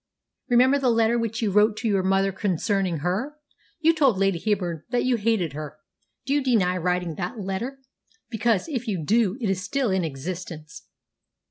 "Remember the letter which you wrote to your mother concerning her. You told Lady Heyburn that you hated her. Do you deny writing that letter? Because, if you do, it is still in existence."